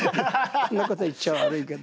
こんなこと言っちゃ悪いけど。